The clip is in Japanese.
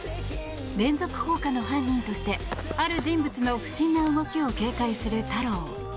連続放火の犯人としてある人物の不審な動きを警戒する太郎。